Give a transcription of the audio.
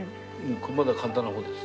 これまだ簡単な方です。